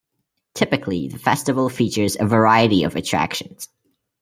Typically, the festival features a variety of attractions.